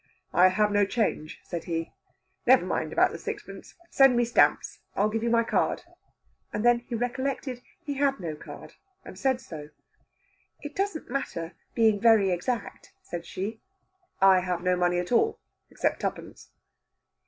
"I have no change," said he. "Never mind about the sixpence. Send me stamps. I'll give you my card." And then he recollected he had no card, and said so. "It doesn't matter being very exact," said she. "I have no money at all. Except twopence."